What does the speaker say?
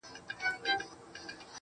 شم د هر څۀ نه منکره! زمزمه کړم